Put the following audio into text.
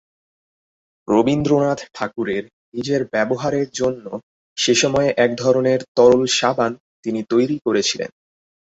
রবীন্দ্রনাথ ঠাকুরের নিজের ব্যবহারের জন্য সেসময়ে এক ধরনের তরল সাবান তিনি তৈরি করেছিলেন।